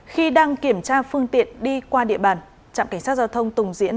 khi đang kiểm tra phương tiện đi qua địa bàn trạm cảnh sát giao thông tùng diễn